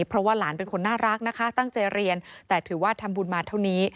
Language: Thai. เพราะว่าหลานเป็นคนน่ารักนะคะตั้งใจเรียนแต่ถือว่าทำบุญมาเท่านี้